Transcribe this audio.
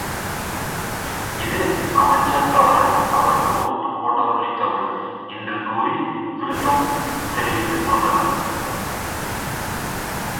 இது அமைச்சர் தவறல்ல — அவருக்கு ஒட்டுப் போட்டவர்களின் தவறு. —என்று கூறி விருத்தம் தெரிவித்துக் கொண்டனர்.